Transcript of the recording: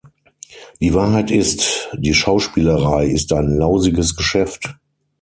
Die Wahrheit ist, die Schauspielerei ist ein lausiges Geschäft...